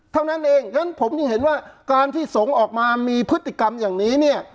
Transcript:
เท่านั้นเองฉะนั้นผมยังเห็นว่าการที่สงฆ์ออกมามีพฤติกรรมอย่างนี้เนี่ย